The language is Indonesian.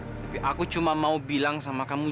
tapi aku cuma mau bilang sama kamu